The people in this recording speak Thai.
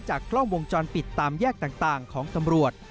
กล้องวงจรปิดตามแยกต่างของตำรวจ